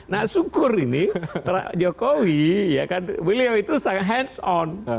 nah syukur ini para jokowi beliau itu sangat hands on